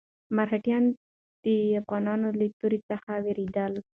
مرهټیان د افغانانو له تورې څخه وېرېدل.